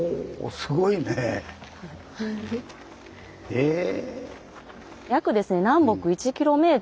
へえ。